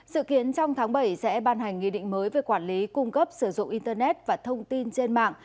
sự kiến trong tháng bảy sẽ ban hành nghị định mới về quản lý cung cấp sử dụng internet và thông tin trên mạng